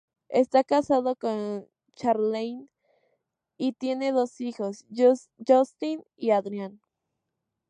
Está casado con Charlene y tiene dos hijos, Justin y Adrian.